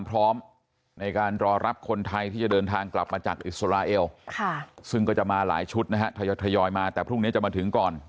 พร้อมในการรอรับคนไทยที่จะเดินทางกลับมาจากอิสราเอลซึ่งก็จะมาหลายชุดนะฮะทยอยมาแต่พรุ่งนี้จะมาถึงก่อน